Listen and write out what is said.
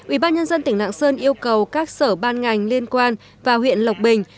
ubnd tỉnh lạng sơn yêu cầu các sở ban ngành liên quan và huyện lộc bình